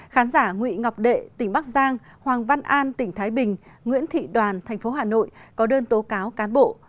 khán giả nguyễn ngọc đệ tỉnh bắc giang hoàng văn an tỉnh thái bình nguyễn thị đoàn thành phố hà nội có đơn tố cáo cán bộ